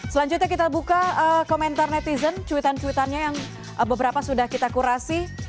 selanjutnya kita buka komentar netizen cuitan cuitannya yang beberapa sudah kita kurasi